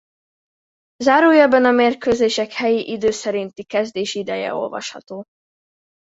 Zárójelben a mérkőzések helyi idő szerinti kezdési ideje olvasható.